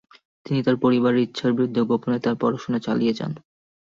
তিনি তার পরিবারের ইচ্ছার বিরুদ্ধে গোপনে তার পড়াশোনা চালিয়ে যান।